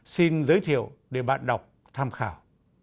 xin giới thiệu để bạn đọc tham khảo